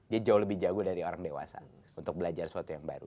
dia jauh lebih jago dari orang dewasa untuk belajar sesuatu yang baru